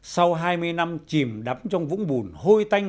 sau hai mươi năm chìm đắm trong vũng bùn hô tanh